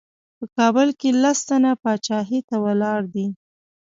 په کابل کې لس تنه پاچاهۍ ته ولاړ دي.